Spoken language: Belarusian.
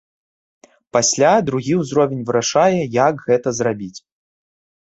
Пасля другі ўзровень вырашае, як гэта зрабіць.